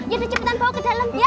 yaudah cepetan bawa ke dalam ya